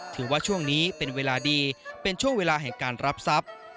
ถือว่าช่วงนี้เป็นเวลาดีเป็นช่วงเวลาแห่งการรับทรัพย์